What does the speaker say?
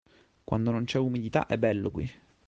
Quando non c'è umidità è bello qui.